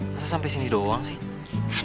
masa sampai sini doang sih